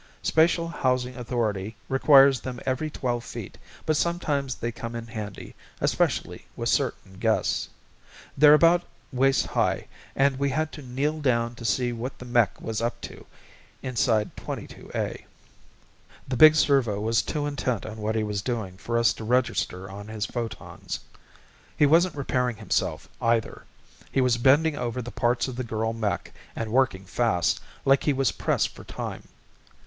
Spatial Housing Authority requires them every 12 feet but sometimes they come in handy, especially with certain guests. They're about waist high and we had to kneel down to see what the mech was up to inside 22A. The big servo was too intent on what he was doing for us to register on his photons. He wasn't repairing himself, either. He was bending over the parts of the girl mech and working fast, like he was pressed for time.